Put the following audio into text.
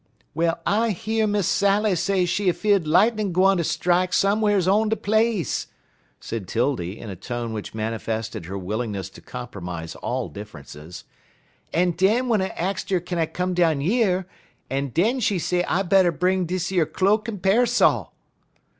"Well, I year Miss Sally say she 'feard lightnin' gwine ter strak some'rs on de place," said 'Tildy, in a tone which manifested her willingness to compromise all differences, "en den I axt 'er kin I come down yer, en den she say I better bring deze yer cloak en pairsol."